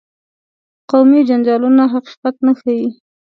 قومي جنجالونه حقیقت نه ښيي.